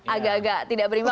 agak agak tidak berimba